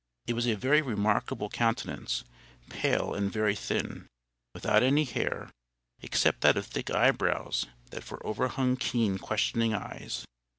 It was a very remarkable countenance—pale, and very thin, without any hair, except that of thick eyebrows that far over hung keen, questioning eyes.